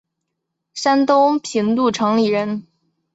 山东平度城里人。